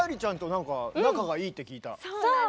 そう！